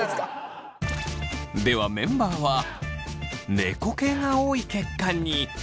ではメンバーは猫系が多い結果に！